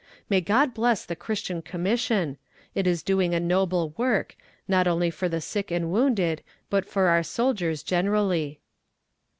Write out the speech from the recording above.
May God bless the Christian Commission it is doing a noble work, not only for the sick and wounded, but for our soldiers generally.